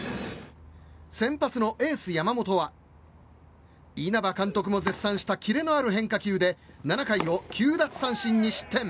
先発のエース、山本は稲葉監督も絶賛したキレのある変化球で７回を９奪三振２失点。